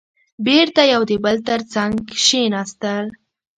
بېرته يو د بل تر څنګ کېناستل.